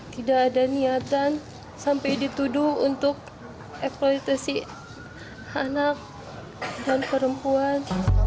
tidak ada niatan sampai dituduh untuk eksploitasi anak dan perempuan